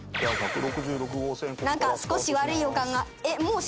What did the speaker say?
「なんか少し悪い予感が」